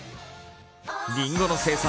りんごの生産